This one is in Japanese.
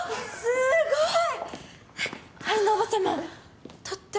すごい。